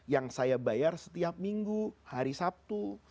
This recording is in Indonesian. yang saya bayar setiap minggu hari sabtu